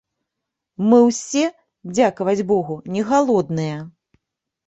Мы ўсе, дзякаваць богу, не галодныя.